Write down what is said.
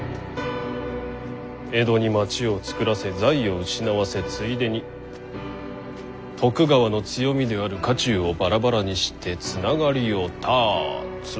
江戸に町を作らせ財を失わせついでに徳川の強みである家中をバラバラにしてつながりを断つ。